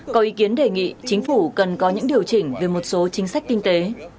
có ý kiến đề nghị chính phủ cần có những điều chỉnh về một số chính sách kinh tế